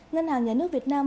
ngân hàng nhà nước việt nam